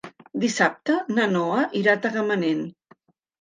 Dissabte na Noa irà a Tagamanent.